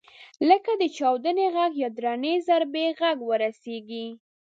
لکه د چاودنې غږ یا درنې ضربې غږ ورسېږي.